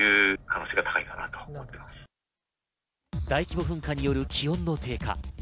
大規模噴火による気温の低下。